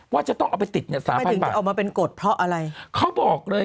ว่าจะต้องเอาไปติดเนี่ยถ้ามันเป็นกฎเพราะอะไรเขาบอกเลย